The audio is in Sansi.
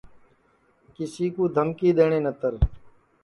کسی کُو دھمکی دؔیٹؔے نتر